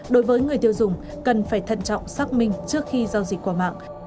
đối với người tiêu dùng cần phải thận trọng xác minh trước khi giao dịch qua mạng